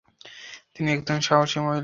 তিনি একজন সাহসী মহিলা।